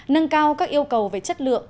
nâng cao các yêu cầu về chất lượng